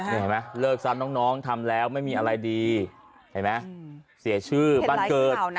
เห็นไหมเลิกซั้นน้องทำแล้วไม่มีอะไรดีเสียชื่อบ้านเกิด